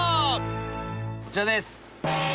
こちらです。